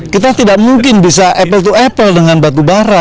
kita tidak mungkin bisa apple to apple dengan batubara